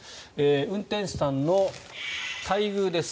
運転手さんの待遇です。